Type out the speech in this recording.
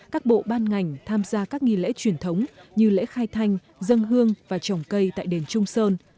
các bộ ban ngành tham gia các nghi lễ truyền thống như lễ khai thanh dân hương và trồng cây tại đền trung sơn